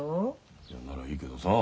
それならいいけどさ。